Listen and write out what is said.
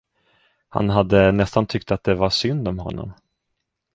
Han hade nästan tyckt att det var synd om honom.